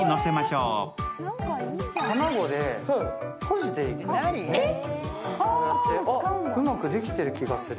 うまくできてる気がする。